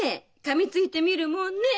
かみついてみるもんねえ。